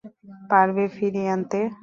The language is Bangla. পারবে ফিরিয়ে আনতে?